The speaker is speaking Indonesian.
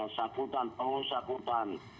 saputan oh saputan